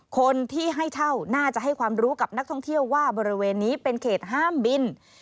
คนที่ให้เช่าน่าจะให้ความรู้กับนักท่องเที่ยวว่าบริเวณนี้เป็นเขตห้ามบิน